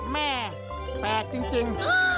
แม่แปลกจริงจริง